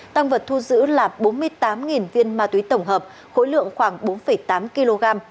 tăng vật thu giữ là bốn mươi tám viên ma túy tổng hợp khối lượng khoảng bốn tám kg